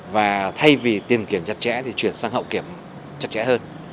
và thay vì tiền kiểm chặt chẽ thì chuyển sang hậu kiểm chặt chẽ hơn